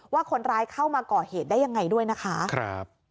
ว่าคนร้ายเข้ามาก่อเหตุได้ยังไงด้วยนะคะ